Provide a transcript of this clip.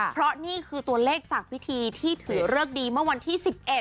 เพราะนี่คือตัวเลขจากพิธีที่ถือเลิกดีเมื่อวันที่๑๑